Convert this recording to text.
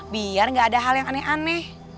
biar gak ada hal yang aneh aneh